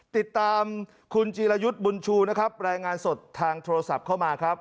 ติดตามคุณจีรยุทธ์บุญชูนะครับรายงานสดทางโทรศัพท์เข้ามาครับ